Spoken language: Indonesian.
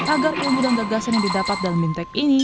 agar ilmu dan gagasan yang didapat dalam bimtek ini